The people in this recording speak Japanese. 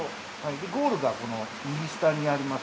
ゴールがこの右下にあります。